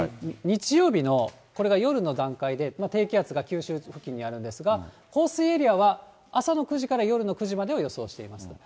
日曜日のこれが夜の段階で、低気圧が九州付近にあるんですが、降水エリアは朝の９時から夜の９時までを予想しています。